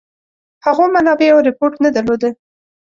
هغو منابعو رپوټ نه درلوده.